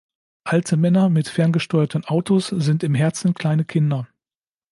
Alte Männer mit ferngesteuerten Autos sind im Herzen kleine Kinder.